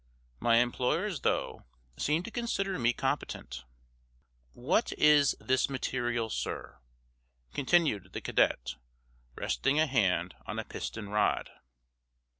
"My employers, though, seem to consider me competent." "What is this material, sir?" continued the cadet, resting a hand on a piston rod.